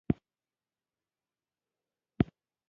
له هغې سره مې څه دي.